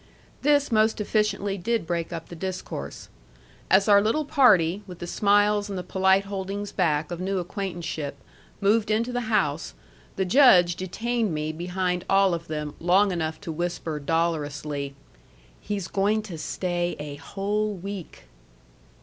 This most efficiently did break up the discourse. As our little party, with the smiles and the polite holdings back of new acquaintanceship, moved into the house, the Judge detained me behind all of them long enough to whisper dolorously, "He's going to stay a whole week."